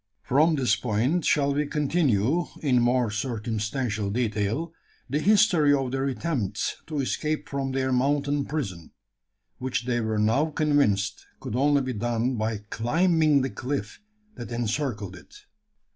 From this point shall we continue, in more circumstantial detail, the history of their attempts to escape from their mountain prison; which they were now convinced could only be done by climbing the cliff that encircled it.